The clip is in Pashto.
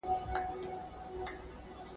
ځکه چې تدریس حقیقت وایي نو پوهنه باور جوړوي.